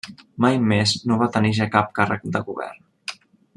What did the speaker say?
Mai més no va tenir ja cap càrrec de govern.